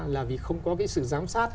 là vì không có cái sự giám sát